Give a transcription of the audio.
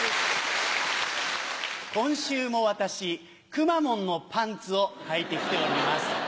今週も私くまモンのパンツをはいて来ております。